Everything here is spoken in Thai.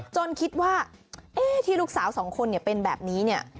คิดว่าที่ลูกสาวสองคนเป็นแบบนี้เนี่ย